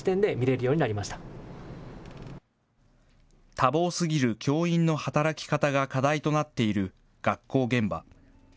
多忙すぎる教員の働き方が課題となっている学校現場。